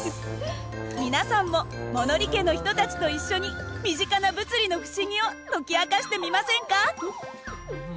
皆さんも物理家の人たちと一緒に身近な物理の不思議を解き明かしてみませんか？